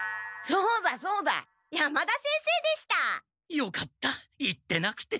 よかった言ってなくて。